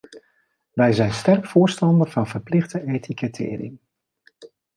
Wij zijn sterk voorstander van verplichte etikettering.